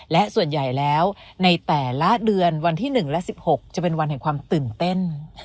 และส่วนใหญ่แล้วในแต่ละเดือนวันที่๑และ๑๖จะเป็นวันแห่งความตื่นเต้น